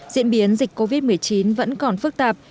diễn biến dịch covid một mươi chín vẫn còn phức tạp